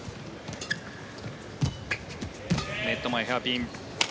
ネット前、ヘアピン。